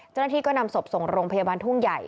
เจ้าหน้าที่ก็นำศพส่งโรงพยาบาลทุ่งใหญ่